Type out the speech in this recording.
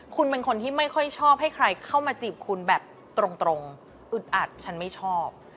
คุณเป็นคนที่ไม่ค่อยชอบให้ใครเข้ามาจีบคุณแบบตรงอึดอัดฉันไม่ชอบ